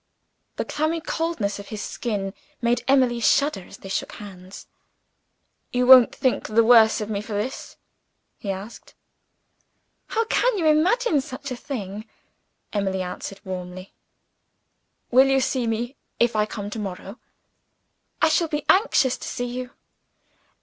The clammy coldness of his skin made Emily shudder, as they shook hands. "You won't think the worse of me for this?" he asked. "How can you imagine such a thing!" she answered warmly. "Will you see me, if I come to morrow?" "I shall be anxious to see you."